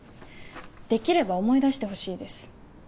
できれば思い出してほしいです